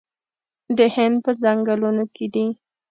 د هند په ځنګلونو کې دي